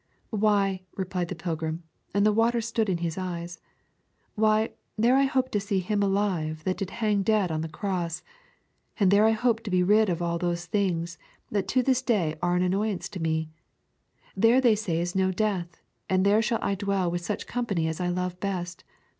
'Why,' replied the pilgrim, and the water stood in his eyes, 'why, there I hope to see Him alive that did hang dead on the cross; and there I hope to be rid of all those things that to this day are an annoyance to me; there they say is no death, and there shall I dwell with such company as I love best.